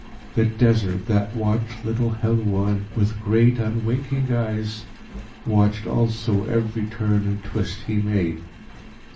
The Desert that watched little Helouan with great, unwinking eyes watched also every turn and twist he made.